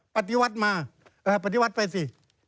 ปฏิวัติมาปฏิวัติไปสิ